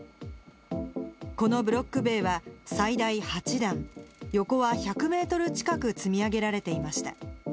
このブロック塀は最大８段、横は１００メートル近く積み上げられていました。